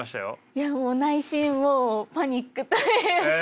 いやもう内心もうパニックというか。